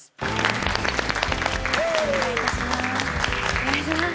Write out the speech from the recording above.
お願いいたします